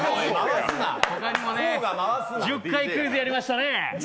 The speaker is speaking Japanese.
他にも１０回クイズやりましたね。